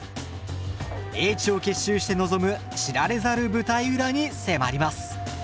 英知を結集して臨む知られざる舞台裏に迫ります。